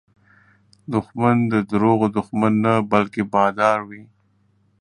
دښمن د دروغو دښمن نه، بلکې بادار وي